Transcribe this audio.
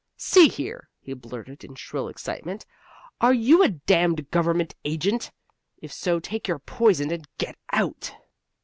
"See here!" he blurted with shrill excitement. "Are you a damned government agent? If so, take your poison and get out."